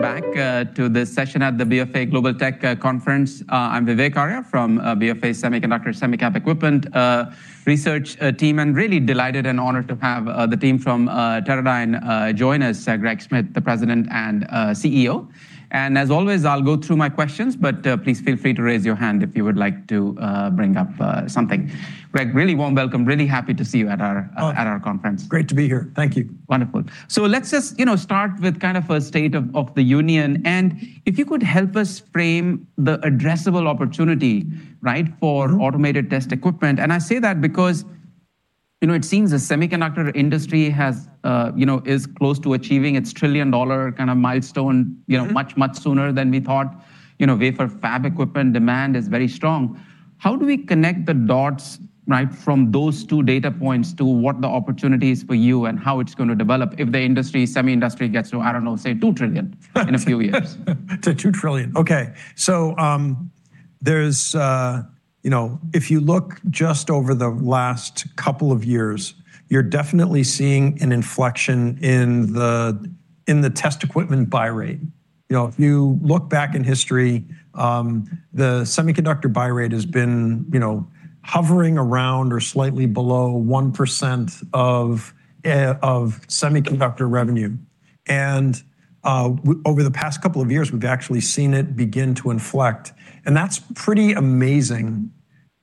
Welcome back to this session at the BFA Global Tech Conference. I'm Vivek Arya from BFA Semiconductor, SemiCap Equipment research team, and really delighted and honored to have the team from Teradyne join us, Greg Smith, the President and CEO. As always, I'll go through my questions, but please feel free to raise your hand if you would like to bring up something. Greg, really warm welcome. Really happy to see you at our conference. Great to be here. Thank you. Wonderful. Let's just start with kind of a state of the union, and if you could help us frame the addressable opportunity for automated test equipment. I say that because it seems the semiconductor industry is close to achieving its trillion-dollar kind of milestone much sooner than we thought. Wafer fab equipment demand is very strong. How do we connect the dots from those two data points to what the opportunity is for you and how it's going to develop if the semi industry gets to, I don't know, say $2 trillion in a few years? To $2 trillion. Okay. If you look just over the last couple of years, you're definitely seeing an inflection in the test equipment buy rate. If you look back in history, the semiconductor buy rate has been hovering around or slightly below 1% of semiconductor revenue. Over the past couple of years, we've actually seen it begin to inflect, and that's pretty amazing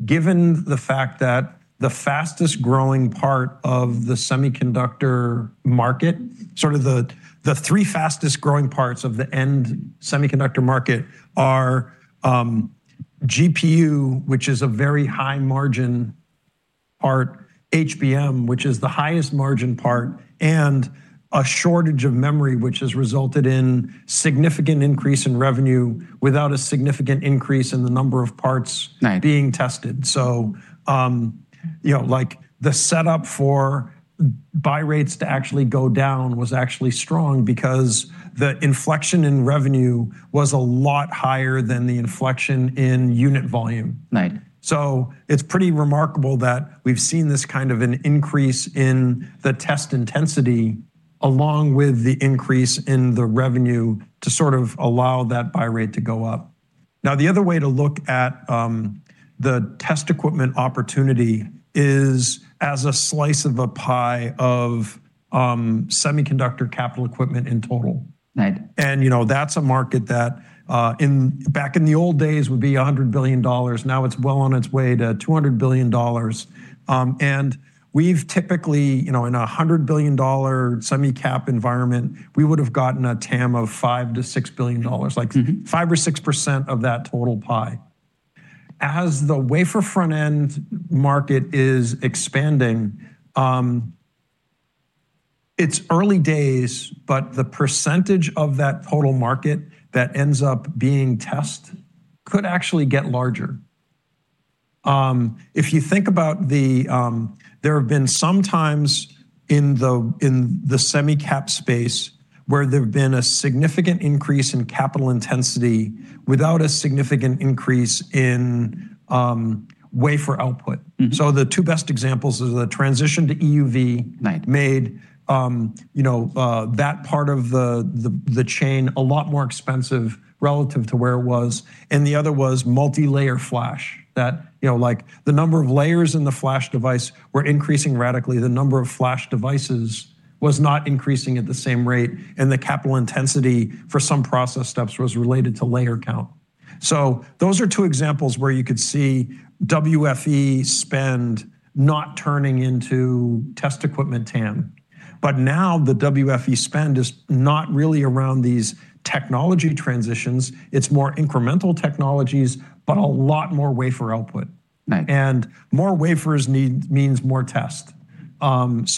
given the fact that the fastest-growing part of the semiconductor market, sort of the three fastest-growing parts of the end semiconductor market are GPU, which is a very high-margin part, HBM, which is the highest margin part, and a shortage of memory, which has resulted in significant increase in revenue without a significant increase in the number of parts. Right being tested. The setup for buy rates to actually go down was actually strong because the inflection in revenue was a lot higher than the inflection in unit volume. Right. It's pretty remarkable that we've seen this kind of an increase in the test intensity along with the increase in the revenue to sort of allow that buy rate to go up. The other way to look at the test equipment opportunity is as a slice of a pie of semiconductor capital equipment in total. Right. That's a market that back in the old days would be $100 billion. Now it's well on its way to $200 billion. We've typically, in a $100 billion semi cap environment, we would've gotten a TAM of $5 billion-$6 billion. Like 5% or 6% of that total pie. The wafer front-end market is expanding. It's early days, the percentage of that total market that ends up being test could actually get larger. If you think about there have been some times in the semi cap space where there've been a significant increase in capital intensity without a significant increase in wafer output. The two best examples is the transition to EUV. Right made that part of the chain a lot more expensive relative to where it was. The other was multilayer flash. That the number of layers in the flash device were increasing radically. The number of flash devices was not increasing at the same rate, and the capital intensity for some process steps was related to layer count. Those are two examples where you could see WFE spend not turning into test equipment TAM. Now the WFE spend is not really around these technology transitions. It's more incremental technologies, but a lot more wafer output. Right. More wafers means more test. That's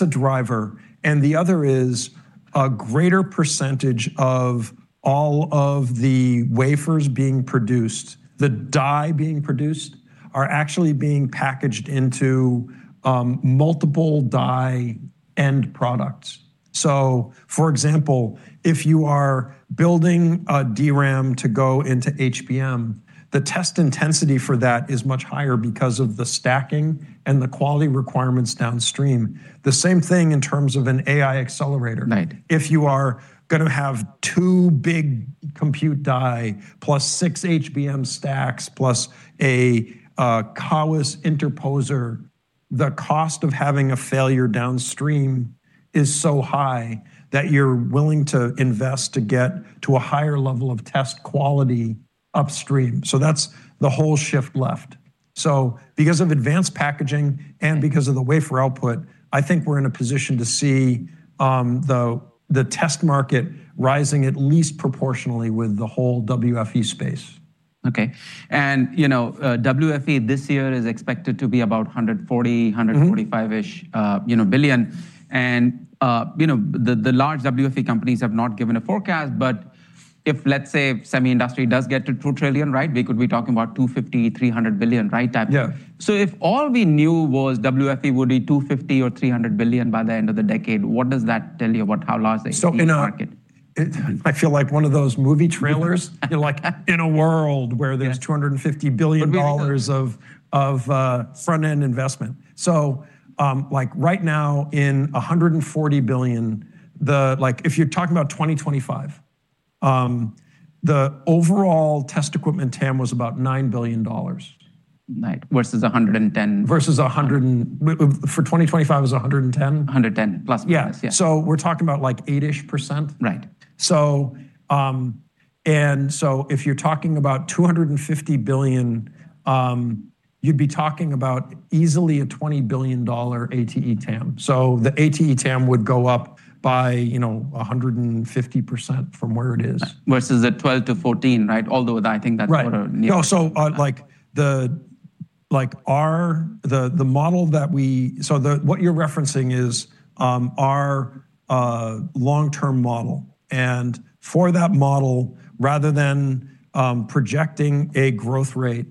a driver. The other is a greater percentage of all of the wafers being produced, the die being produced, are actually being packaged into multiple die end products. For example, if you are building a DRAM to go into HBM, the test intensity for that is much higher because of the stacking and the quality requirements downstream. The same thing in terms of an AI accelerator. Right. If you are going to have two big compute die plus six HBM stacks plus a CoWoS interposer, the cost of having a failure downstream is so high that you're willing to invest to get to a higher level of test quality upstream. That's the whole shift left. Because of advanced packaging and because of the wafer output, I think we're in a position to see the test market rising at least proportionally with the whole WFE space. Okay. WFE this year is expected to be about $140 billion-$145-ish billion. The large WFE companies have not given a forecast, but if, let's say, semi industry does get to $2 trillion, we could be talking about $250 billion-$300 billion, right? Yeah. If all we knew was WFE would be $250 billion or $300 billion by the end of the decade, what does that tell you about how large the WFE market? I feel like one of those movie trailers. You're like, "In a world where there's $250 billion of front-end investment." Right now in $140 billion. If you're talking about 2025, the overall test equipment TAM was about $9 billion. Right. Versus 110. Versus 100 For 2025, it was 110? 110, plus or minus. Yeah. Yeah. We're talking about eight-ish %? Right. If you're talking about $250 billion, you'd be talking about easily a $20 billion ATE TAM. The ATE TAM would go up by 150% from where it is. Right. Versus at 12-14, right? Although, I think that's sort of near- No. What you're referencing is our long-term model, and for that model, rather than projecting a growth rate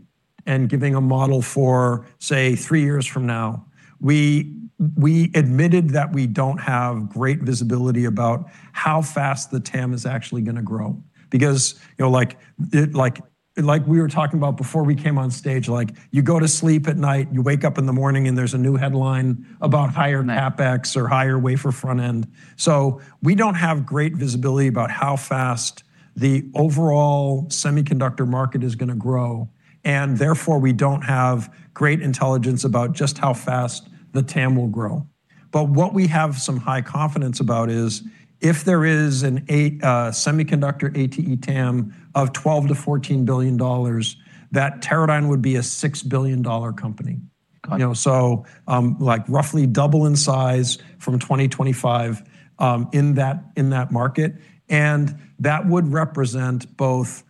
and giving a model for, say, three years from now, we admitted that we don't have great visibility about how fast the TAM is actually going to grow. Like we were talking about before we came on stage, you go to sleep at night, you wake up in the morning, and there's a new headline about higher CapEx or higher wafer front end. We don't have great visibility about how fast the overall semiconductor market is going to grow, and therefore we don't have great intelligence about just how fast the TAM will grow. What we have some high confidence about is if there is a semiconductor ATE TAM of $12 billion-$14 billion, that Teradyne would be a $6 billion company. Got it. Roughly double in size from 2025 in that market. That would represent both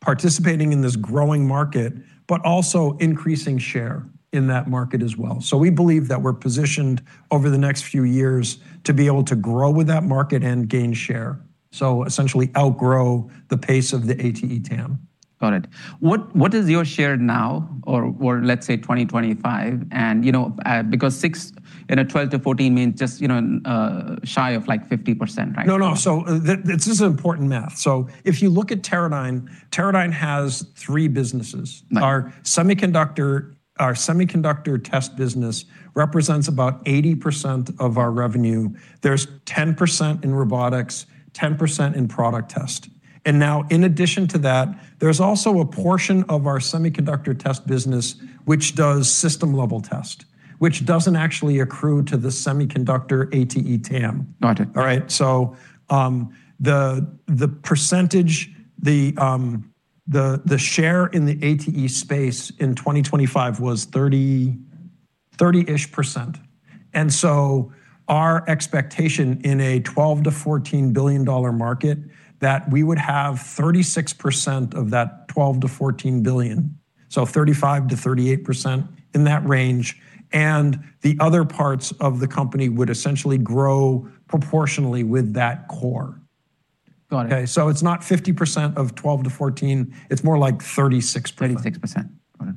participating in this growing market, but also increasing share in that market as well. We believe that we're positioned over the next few years to be able to grow with that market and gain share. Essentially outgrow the pace of the ATE TAM. Got it. What is your share now, or let's say 2025? Because six in a 12 to 14 means just shy of 50%, right? No, no. This is important math. If you look at Teradyne has three businesses. Right. Our semiconductor test business represents about 80% of our revenue. There's 10% in robotics, 10% in product test. Now, in addition to that, there's also a portion of our semiconductor test business which does system-level test, which doesn't actually accrue to the semiconductor ATE TAM. Got it. All right. The percentage, the share in the ATE space in 2025 was 30%. Our expectation in a $12 billion-$14 billion market, that we would have 36% of that $12 billion-$14 billion, so 35%-38%, in that range, and the other parts of the company would essentially grow proportionally with that core. Got it. Okay. It's not 50% of 12 to 14, it's more like 36%. 36%. Got it.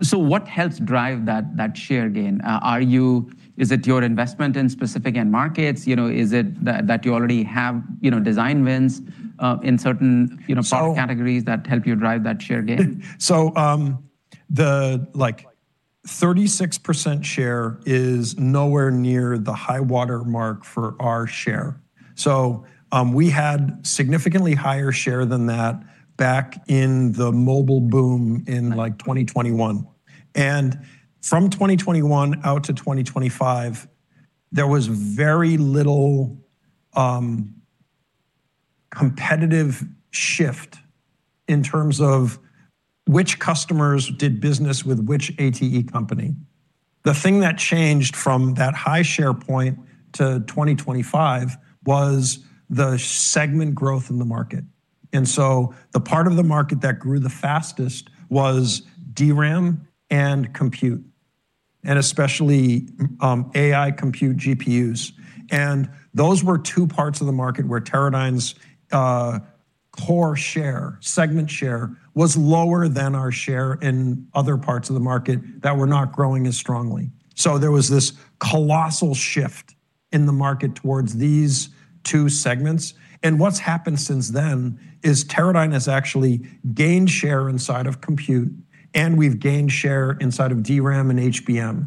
Okay. What helps drive that share gain? Is it your investment in specific end markets? Is it that you already have design wins in certain? So- product categories that help you drive that share gain? 36% share is nowhere near the high water mark for our share. We had significantly higher share than that back in the mobile boom in 2021. From 2021 out to 2025, there was very little competitive shift in terms of which customers did business with which ATE company. The thing that changed from that high share point to 2025 was the segment growth in the market. The part of the market that grew the fastest was DRAM and compute, and especially AI compute GPUs. Those were two parts of the market where Teradyne's core share, segment share, was lower than our share in other parts of the market that were not growing as strongly. There was this colossal shift in the market towards these two segments, and what's happened since then is Teradyne has actually gained share inside of compute, and we've gained share inside of DRAM and HBM.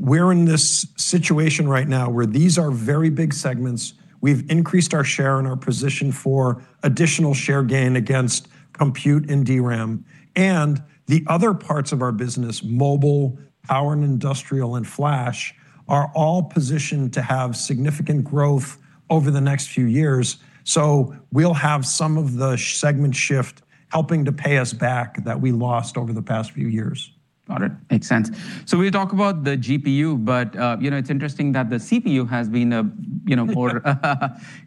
We're in this situation right now where these are very big segments. We've increased our share and our position for additional share gain against compute and DRAM. The other parts of our business, mobile, power and industrial, and flash, are all positioned to have significant growth over the next few years. We'll have some of the segment shift helping to pay us back that we lost over the past few years. Got it. Makes sense. We'll talk about the GPU, but it's interesting that the CPU has been a more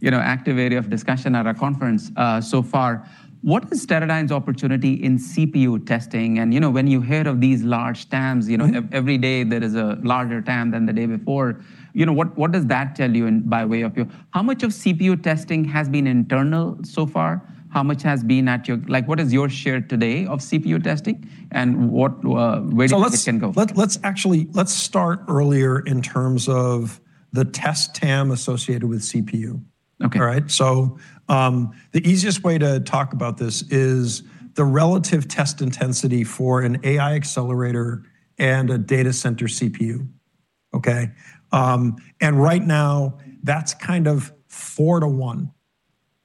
active area of discussion at our conference so far. What is Teradyne's opportunity in CPU testing? When you hear of these large TAMs. every day there is a larger TAM than the day before, what does that tell you in by way of? How much of CPU testing has been internal so far? How much has been at? What is your share today of CPU testing, and where do you think it can go? Let's start earlier in terms of the test TAM associated with CPU. Okay. All right. The easiest way to talk about this is the relative test intensity for an AI accelerator and a data center CPU. Okay. Right now, that's kind of four to one.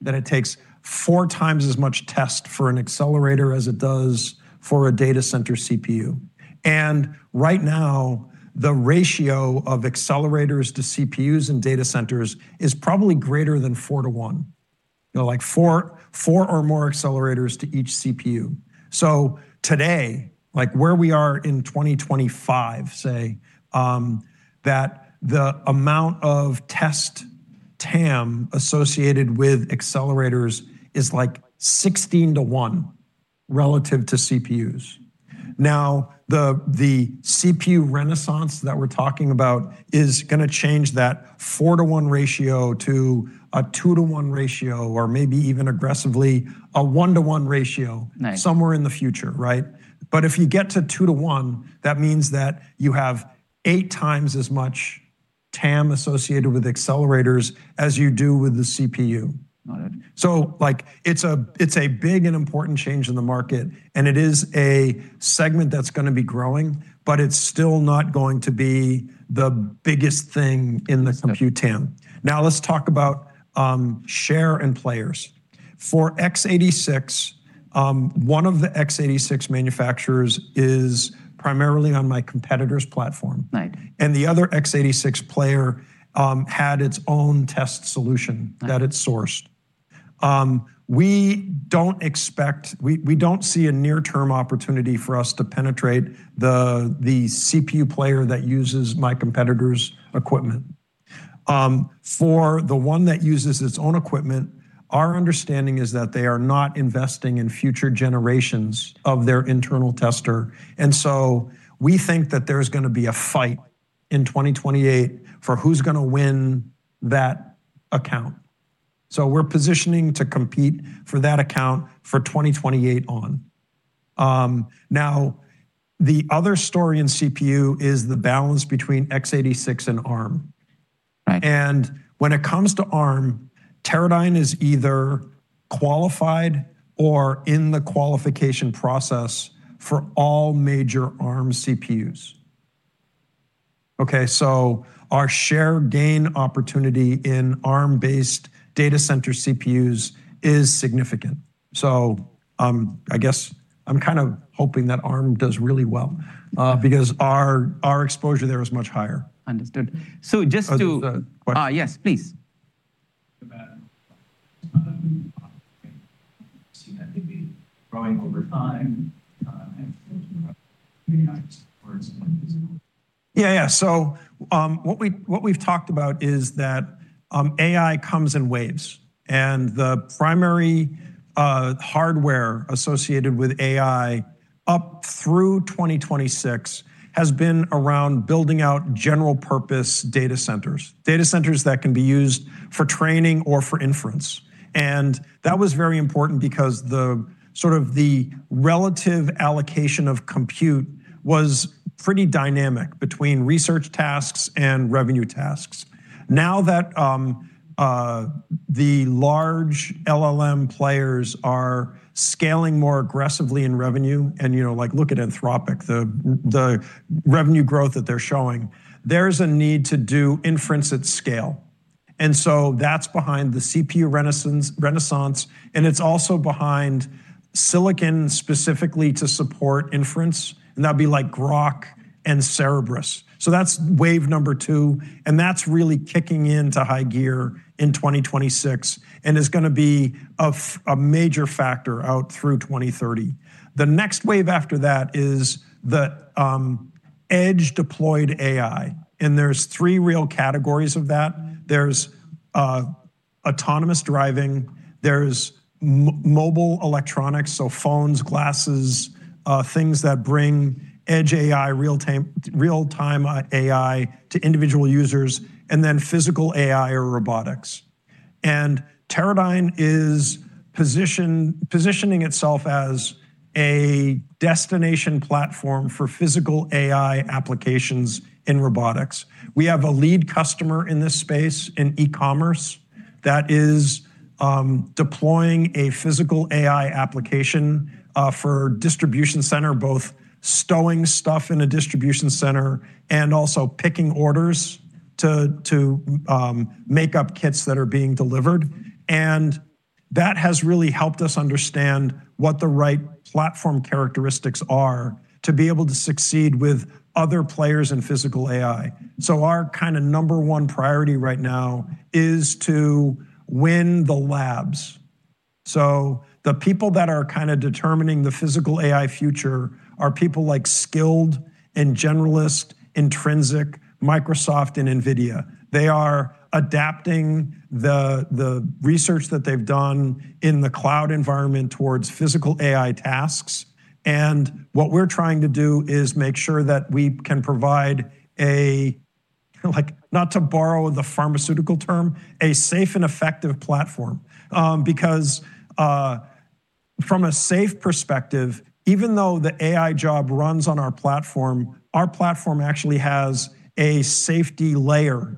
That it takes four times as much test for an accelerator as it does for a data center CPU. Right now, the ratio of accelerators to CPUs and data centers is probably greater than four to one. Four or more accelerators to each CPU. Today, where we are in 2025, say, that the amount of test TAM associated with accelerators is 16 to one relative to CPUs. The CPU renaissance that we're talking about is going to change that 4:1 ratio to a 2:1 ratio, or maybe even aggressively, a 1:1 ratio. Nice somewhere in the future. If you get to 2:1, that means that you have eight times as much TAM associated with accelerators as you do with the CPU. Got it. It's a big and important change in the market, and it is a segment that's going to be growing, but it's still not going to be the biggest thing in the compute TAM. Let's talk about share and players. For X86, one of the X86 manufacturers is primarily on my competitor's platform. Right. The other X86 player had its own test solution that it sourced. We don't see a near-term opportunity for us to penetrate the CPU player that uses my competitor's equipment. For the one that uses its own equipment, our understanding is that they are not investing in future generations of their internal tester, and so we think that there's going to be a fight in 2028 for who's going to win that account. We're positioning to compete for that account for 2028 on. The other story in CPU is the balance between X86 and Arm. Right. When it comes to Arm, Teradyne is either qualified or in the qualification process for all major Arm CPUs. Okay, our share gain opportunity in Arm-based data center CPUs is significant. I guess I'm kind of hoping that Arm does really well, because our exposure there is much higher. Understood. Oh, there's a question. Yes, please. What we've talked about is that AI comes in waves. The primary hardware associated with AI up through 2026 has been around building out general purpose data centers. Data centers that can be used for training or for inference. That was very important because the relative allocation of compute was pretty dynamic between research tasks and revenue tasks. Now that the large LLM players are scaling more aggressively in revenue, and look at Anthropic, the revenue growth that they're showing, there's a need to do inference at scale. That's behind the CPU renaissance, and it's also behind silicon specifically to support inference. That'd be like Groq and Cerebras. That's wave number two, and that's really kicking into high gear in 2026 and is going to be a major factor out through 2030. The next wave after that is the edge-deployed AI, and there's three real categories of that. There's autonomous driving, there's mobile electronics, so phones, glasses, things that bring edge AI, real-time AI, to individual users, and then physical AI or robotics. Teradyne is positioning itself as a destination platform for physical AI applications in robotics. We have a lead customer in this space in e-commerce that is deploying a physical AI application for distribution center, both stowing stuff in a distribution center and also picking orders to make up kits that are being delivered. That has really helped us understand what the right platform characteristics are to be able to succeed with other players in physical AI. Our number one priority right now is to win the labs. The people that are determining the physical AI future are people like Skild AI and Generalist, Intrinsic, Microsoft, and NVIDIA. They are adapting the research that they've done in the cloud environment towards physical AI tasks. What we're trying to do is make sure that we can provide a, not to borrow the pharmaceutical term, a safe and effective platform. From a safe perspective, even though the AI job runs on our platform, our platform actually has a safety layer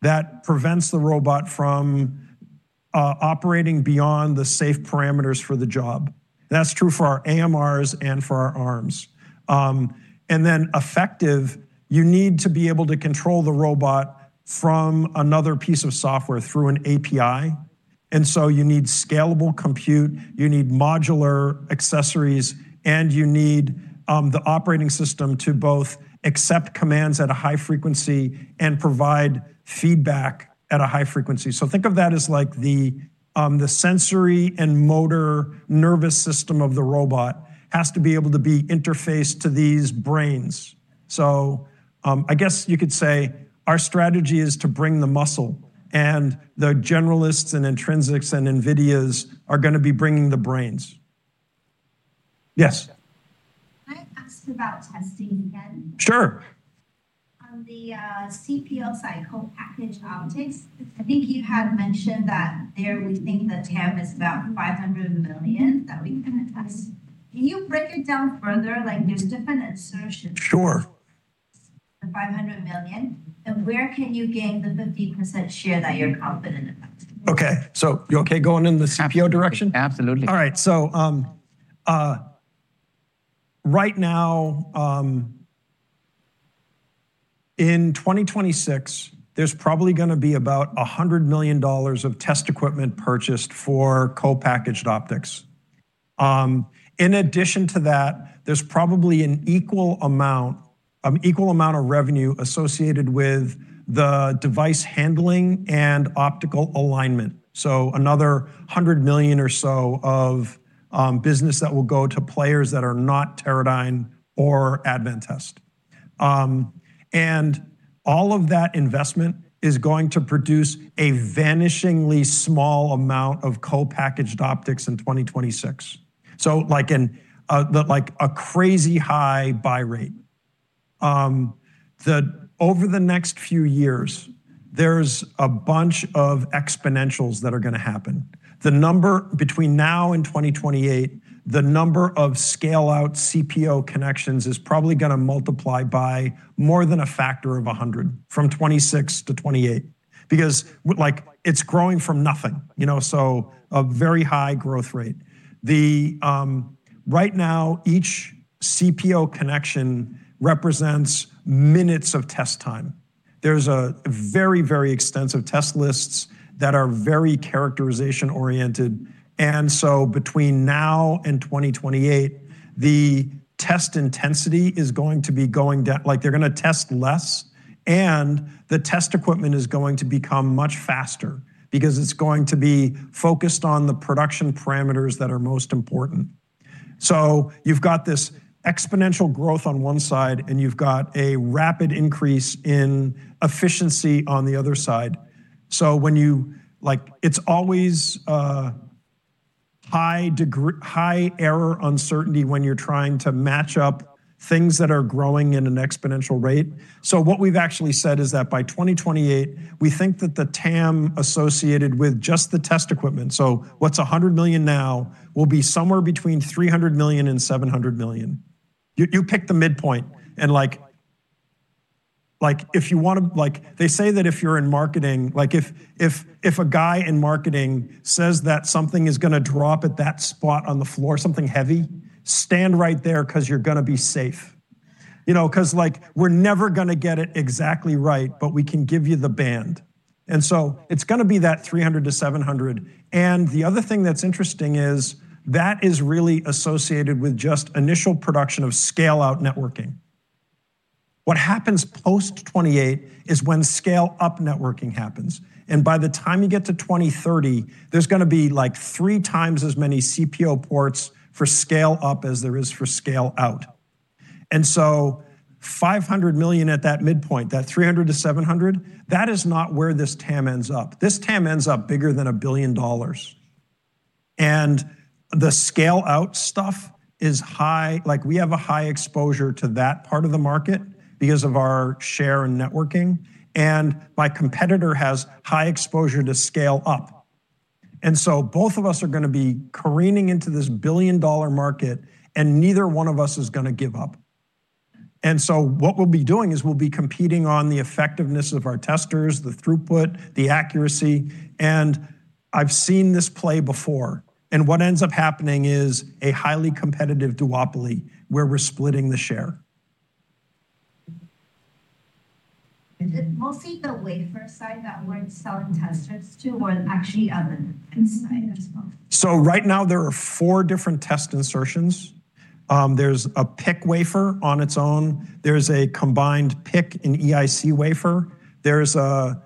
that prevents the robot from operating beyond the safe parameters for the job. That's true for our AMRs and for our arms. Then effective, you need to be able to control the robot from another piece of software through an API. You need scalable compute, you need modular accessories, and you need the operating system to both accept commands at a high frequency and provide feedback at a high frequency. Think of that as the sensory and motor nervous system of the robot, has to be able to be interfaced to these brains. I guess you could say our strategy is to bring the muscle, and the Generalists and Intrinsics and NVIDIAs are going to be bringing the brains. Yes. Can I ask about testing again? Sure. On the CPO cycle package optics, I think you had mentioned that there we think the TAM is about $500 million that we can attest. Can you break it down further? Like there's different assertions. Sure the $500 million. Where can you gain the 50% share that you're confident about? Okay. You okay going in the CPO direction? Absolutely. All right. Right now, in 2026, there's probably going to be about $100 million of test equipment purchased for co-packaged optics. In addition to that, there's probably an equal amount of revenue associated with the device handling and optical alignment. Another $100 million or so of business that will go to players that are not Teradyne or Advantest. All of that investment is going to produce a vanishingly small amount of co-packaged optics in 2026. A crazy high buy rate. Over the next few years, there's a bunch of exponentials that are going to happen. Between now and 2028, the number of scale-out CPO connections is probably going to multiply by more than a factor of 100 from 2026 to 2028. It's growing from nothing, a very high growth rate. Right now, each CPO connection represents minutes of test time. There's a very, very extensive test lists that are very characterization oriented. Between now and 2028, the test intensity is going to be going down. They're going to test less, and the test equipment is going to become much faster because it's going to be focused on the production parameters that are most important. You've got this exponential growth on one side, and you've got a rapid increase in efficiency on the other side. It's always high error uncertainty when you're trying to match up things that are growing at an exponential rate. What we've actually said is that by 2028, we think that the TAM associated with just the test equipment, so what's $100 million now, will be somewhere between $300 million and $700 million. You pick the midpoint and they say that if you're in marketing, if a guy in marketing says that something is going to drop at that spot on the floor, something heavy, stand right there because you're going to be safe. Because we're never going to get it exactly right, but we can give you the band. It's going to be that $300 million-$700 million. The other thing that's interesting is that is really associated with just initial production of scale-out networking. What happens post 2028 is when scale-up networking happens, by the time you get to 2030, there's going to be three times as many CPO ports for scale-up as there is for scale-out. $500 million at that midpoint, that $300 million-$700 million, that is not where this TAM ends up. This TAM ends up bigger than $1 billion. The scale-out stuff, we have a high exposure to that part of the market because of our share in networking, and my competitor has high exposure to scale-up. Both of us are going to be careening into this billion-dollar market, and neither one of us is going to give up. What we'll be doing is we'll be competing on the effectiveness of our testers, the throughput, the accuracy, and I've seen this play before. What ends up happening is a highly competitive duopoly where we're splitting the share. Is it mostly the wafer side that we're selling test strips to, or actually other inside as well? Right now, there are four different test insertions. There's a PIC wafer on its own. There's a combined PIC and EIC wafer. There's a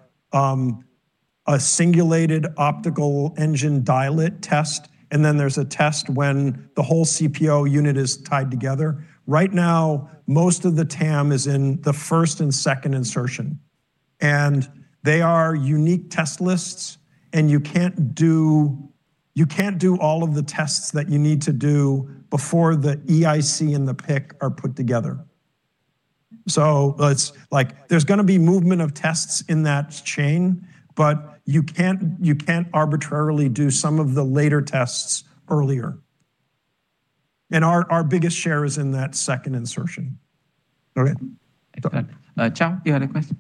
singulated optical engine dielet test, and then there's a test when the whole CPO unit is tied together. Right now, most of the TAM is in the first and second insertion. They are unique test lists, and you can't do all of the tests that you need to do before the EIC and the PIC are put together. There's going to be movement of tests in that chain, but you can't arbitrarily do some of the later tests earlier. Our biggest share is in that second insertion. Excellent. Chao, you had a question?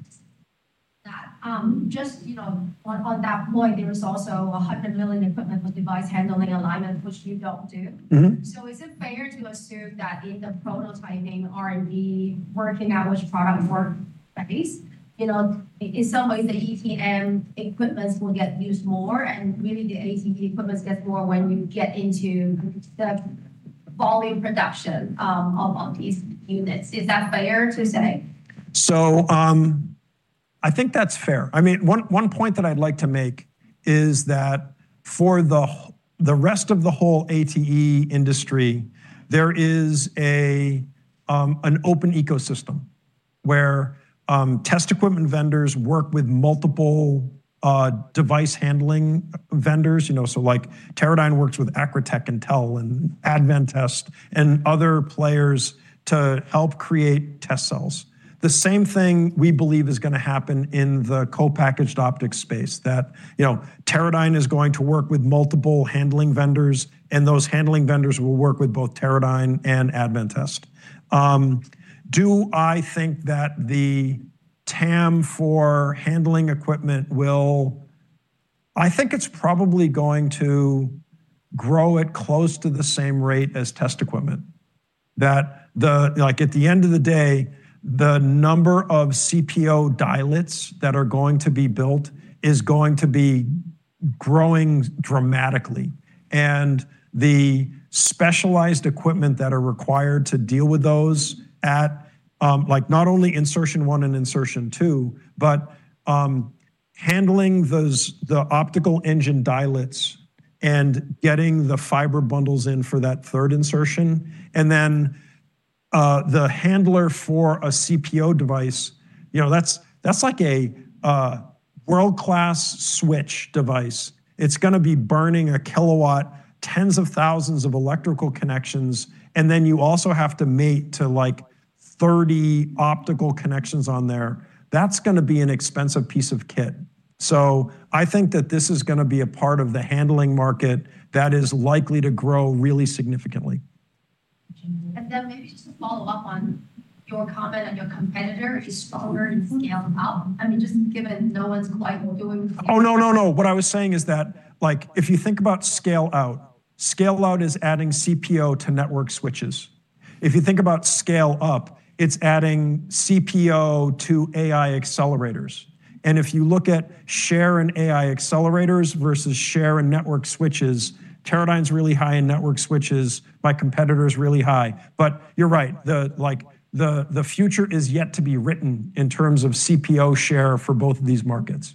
Just on that point, there is also a $100 million equipment for device handling alignment, which you don't do. Is it fair to assume that in the prototyping R&D, working out which product work at least, in some ways, the ETM equipments will get used more, and really the ATE equipments get more when you get into the volume production, of these units? Is that fair to say? I think that's fair. One point that I'd like to make is that for the rest of the whole ATE industry, there is an open ecosystem where test equipment vendors work with multiple device-handling vendors. Like Teradyne works with Acritec and TEL and Advantest and other players to help create test cells. The same thing we believe is going to happen in the co-packaged optics space that Teradyne is going to work with multiple handling vendors, and those handling vendors will work with both Teradyne and Advantest. Do I think that the TAM for handling equipment, I think it's probably going to grow at close to the same rate as test equipment. At the end of the day, the number of CPO dielets that are going to be built is going to be growing dramatically. The specialized equipment that are required to deal with those at not only insertion one and insertion two, but handling the optical engine dielets and getting the fiber bundles in for that third insertion then the handler for a CPO device, that's like a world-class switch device. It's going to be burning a kilowatt, tens of thousands of electrical connections, then you also have to mate to 30 optical connections on there. That's going to be an expensive piece of kit. I think that this is going to be a part of the handling market that is likely to grow really significantly. Maybe just to follow up on your comment on your competitor is stronger in scale-out. No, what I was saying is that if you think about scale-out, scale-out is adding CPO to network switches. If you think about scale-up, it's adding CPO to AI accelerators. If you look at share in AI accelerators versus share in network switches, Teradyne's really high in network switches. My competitor is really high. You're right. The future is yet to be written in terms of CPO share for both of these markets.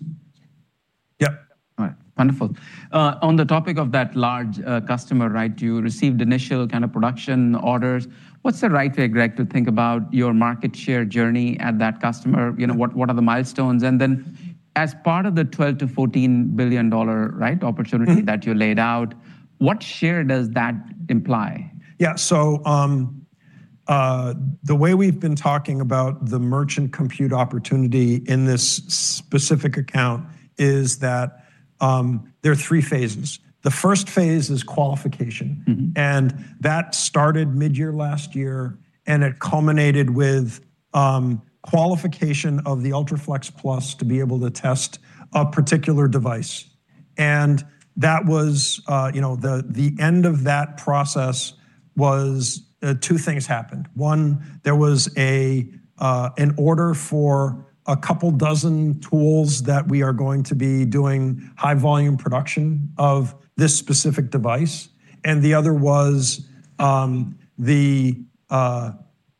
Yep. All right. Wonderful. On the topic of that large customer right, you received initial production orders. What's the right way, Greg, to think about your market share journey at that customer? What are the milestones? As part of the $12 billion-$14 billion opportunity that you laid out, what share does that imply? Yeah. The way we've been talking about the merchant compute opportunity in this specific account is that there are three phases. The first phase is qualification. That started mid-year last year, and it culminated with qualification of the UltraFLEXplus to be able to test a particular device. The end of that process was two things happened. One, there was an order for a couple dozen tools that we are going to be doing high volume production of this specific device. The other was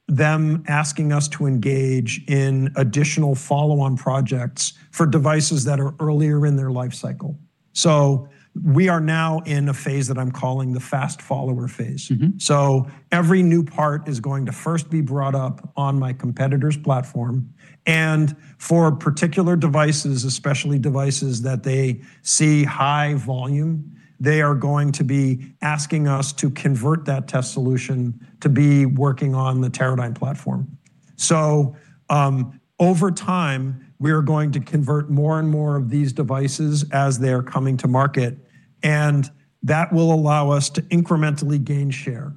them asking us to engage in additional follow-on projects for devices that are earlier in their life cycle. We are now in a phase that I'm calling the fast follower phase. Every new part is going to first be brought up on my competitor's platform. For particular devices, especially devices that they see high volume, they are going to be asking us to convert that test solution to be working on the Teradyne platform. Over time, we are going to convert more and more of these devices as they are coming to market, and that will allow us to incrementally gain share.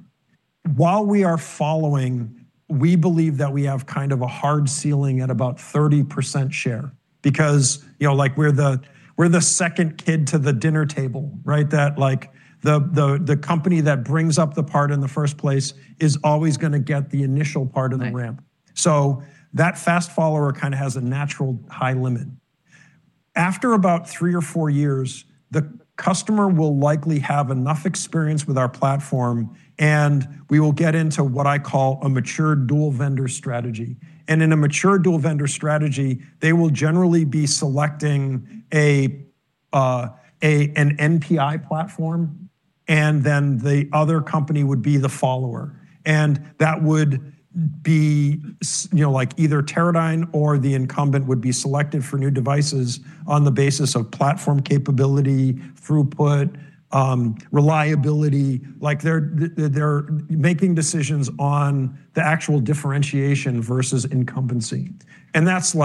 While we are following, we believe that we have a hard ceiling at about 30% share. Because we're the second kid to the dinner table, right? That the company that brings up the part in the first place is always going to get the initial part of the ramp. Right. That fast follower kind of has a natural high limit. After about three or four years, the customer will likely have enough experience with our platform, and we will get into what I call a mature dual-vendor strategy. In a mature dual-vendor strategy, they will generally be selecting an NPI platform, and then the other company would be the follower. That would be either Teradyne or the incumbent would be selected for new devices on the basis of platform capability, throughput, reliability. They're making decisions on the actual differentiation versus incumbency. That's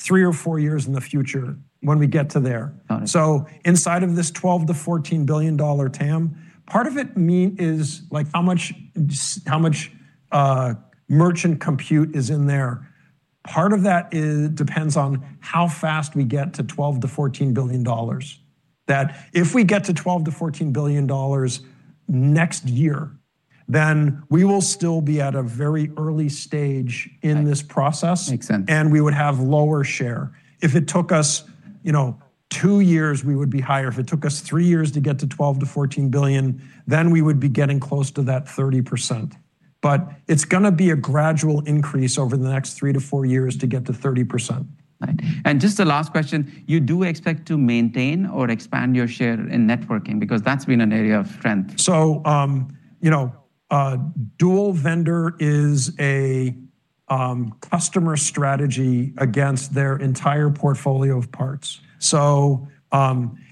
three or four years in the future when we get to there. Got it. Inside of this $12 billion-$14 billion TAM, part of it is how much merchant compute is in there. Part of that depends on how fast we get to $12 billion-$14 billion. If we get to $12 billion-$14 billion next year, then we will still be at a very early stage in this process. Makes sense. We would have lower share. If it took us two years, we would be higher. If it took us three years to get to $12 billion-$14 billion, then we would be getting close to that 30%. It's going to be a gradual increase over the next three to four years to get to 30%. Right. Just a last question, you do expect to maintain or expand your share in networking because that's been an area of strength. Dual vendor is a customer strategy against their entire portfolio of parts.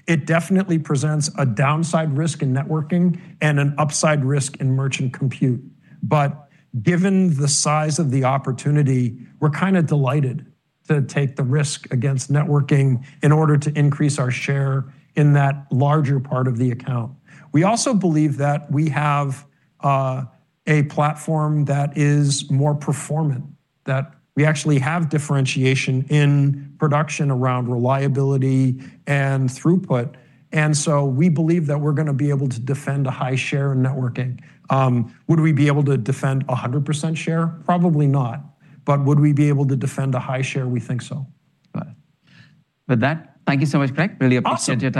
It definitely presents a downside risk in networking and an upside risk in merchant compute. Given the size of the opportunity, we're kind of delighted to take the risk against networking in order to increase our share in that larger part of the account. We also believe that we have a platform that is more performant, that we actually have differentiation in production around reliability and throughput. We believe that we're going to be able to defend a high share in networking. Would we be able to defend 100% share? Probably not. Would we be able to defend a high share? We think so. Got it. With that, thank you so much, Greg. Really appreciate your time.